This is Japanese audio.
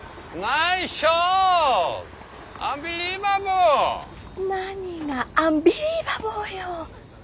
何がアンビリーバボーよ。